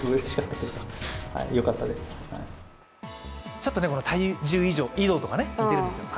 ちょっと体重移動とか似てるんですよ。